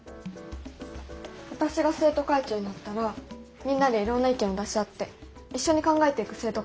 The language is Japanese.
私が生徒会長になったらみんなでいろんな意見を出し合って一緒に考えていく生徒会にしたいんです。